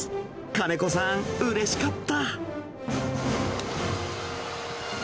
金子さん、うれしかった。